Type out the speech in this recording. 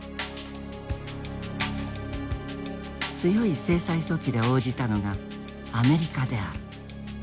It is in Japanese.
強い制裁措置で応じたのがアメリカである。